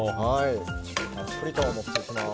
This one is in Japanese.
たっぷりと盛っていきます。